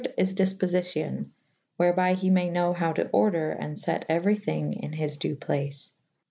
is dyfpolycyon wherby he maye knowe howe to ordre and fet euery thynge in his due place.